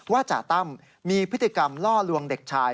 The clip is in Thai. จ่าตั้มมีพฤติกรรมล่อลวงเด็กชาย